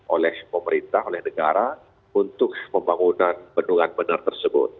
oleh pemerintah oleh negara untuk pembangunan tendungan benar tersebut